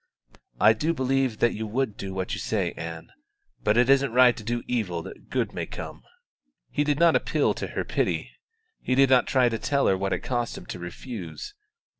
"I do believe that you would do what you say, Ann; but it isn't right to do evil that good may come." He did not appeal to her pity; he did not try to tell her what it cost him to refuse.